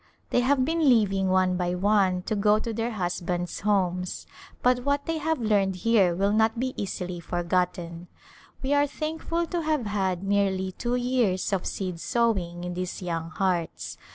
They have been leaving, one by one, to go to their [ 190] A Stcmmer Resort husbands' homes, but what they have learned here will not be easily forgotten. We are so thankful to have had nearly two years of seed sowing in these young hearts.